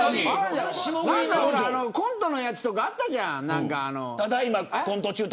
コントのやつとかあったじゃん。